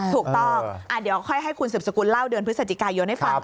ถูกต้องเดี๋ยวค่อยให้คุณสืบสกุลเล่าเดือนพฤศจิกายนให้ฟัง